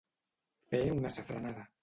Fer una safranada.